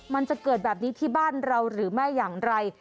มันจะเกิดแบบนี้ที่บ้านเราหรือไม่อย่างไร